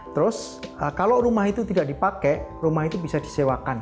terus kalau rumah itu tidak dipakai rumah itu bisa disewakan